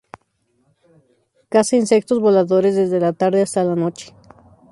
Caza insectos voladores desde la tarde hasta la noche.